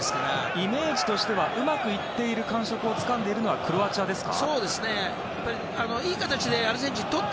イメージとしてはうまくいっている感触をつかんでいるのはクロアチアですか？